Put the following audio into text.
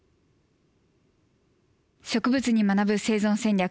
「植物に学ぶ生存戦略」